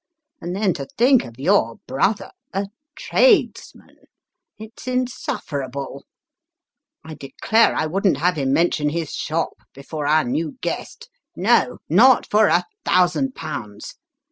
And then to think of your brother a tradesman it's insufferable ! I declare I wouldn't have him mention his shop, before our new guest no, not for a thousand pounds